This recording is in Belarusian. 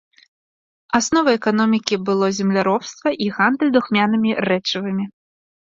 Асновай эканомікі было земляробства і гандаль духмянымі рэчывамі.